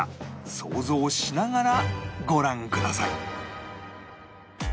想像しながらご覧ください